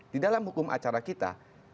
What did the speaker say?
di dalam hukum acara kita